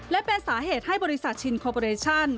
และเป็นสาเหตุให้บริษัทชินโคปอเรชั่น